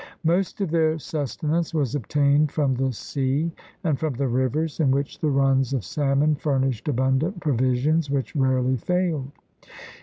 Most of their sustenance was obtained from the sea and from the rivers, in which the runs of salmon furnished abundant provisions, which rarely failed.